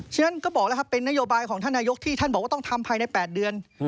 ฉะนั้นก็บอกแล้วครับเป็นนโยบายของท่านนายกที่ท่านบอกว่าต้องทำภายใน๘เดือน